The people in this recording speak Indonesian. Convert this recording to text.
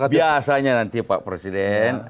biasanya nanti pak presiden